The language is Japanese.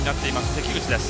関口です。